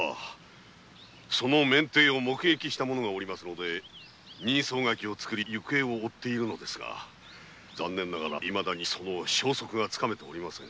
その面体を目撃した者がおりますので人相書きを作り行方を追っているのですがいまだにその消息がつかめておりません。